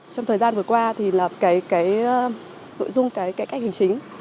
trong thời gian vừa qua nội dung cái cách hành chính